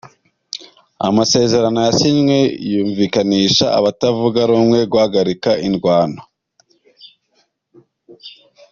"Amasezerano yasinywe yumvikanisha abatavuga rumwe guhagarika indwano".